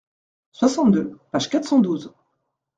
soixante-deux, page quatre cent douze.